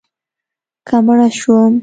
که مړه شوم